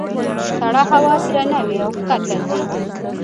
سړه هوا درنه وي او ښکته ځي.